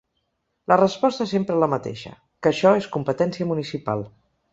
La resposta és sempre la mateixa: que això és competència municipal.